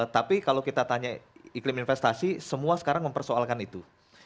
tapi kalau kita tanya iklim investasi semua sekarang mempersoalkan itu